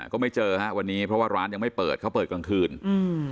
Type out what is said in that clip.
ก็ไม่เจอฮะวันนี้เพราะว่าร้านยังไม่เปิดเขาเปิดกลางคืนอืม